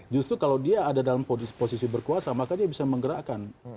justru kalau dia ada dalam posisi berkuasa maka dia bisa menggerakkan